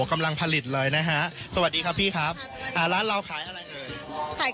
กำลังผลิตเลยนะฮะสวัสดีครับพี่ครับอ่าร้านเราขายอะไรเอ่ย